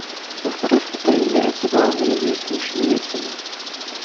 Во-вторых, кто является главными действующими лицами?